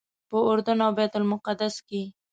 په اردن او بیت المقدس کې.